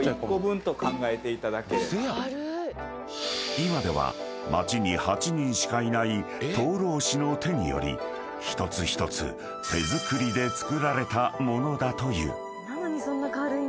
［今では町に８人しかいない灯籠師の手により一つ一つ手作りで作られた物だという］